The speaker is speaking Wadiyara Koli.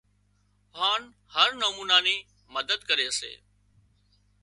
هانَ هر نمونا نِي مدد ڪري سي